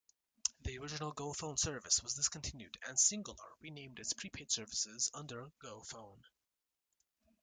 The original GoPhone service was discontinued and Cingular renamed its prepaid services under GoPhone.